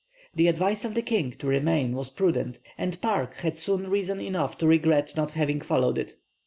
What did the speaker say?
The advice of the king to remain was prudent, and Park had soon reason enough to regret not having followed it.